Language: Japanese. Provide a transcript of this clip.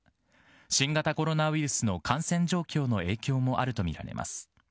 新型コロナウイルスの感染状況の影響もあるとみられます。